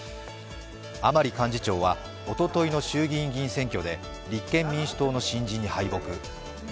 甘利幹事長はおとといの衆議院議員選挙で立憲民主党の新人に敗北。